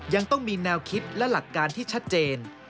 ยังต้องมีแนวคิดและหลักการที่ชัดเจน